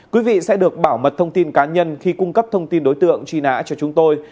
quý vị sẽ được bảo mật thông tin cá nhân khi cung cấp thông tin đối tượng truy nã cho chúng tôi